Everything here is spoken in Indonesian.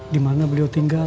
di mana beliau tinggal